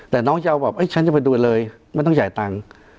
แต่น้องจะเอาแบบฉันจะไปดูเลยไม่ต้องจ่ายตังค์